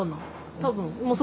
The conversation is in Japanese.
多分。